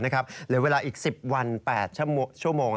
เหลือเวลาอีก๑๐วัน๘ชั่วโมง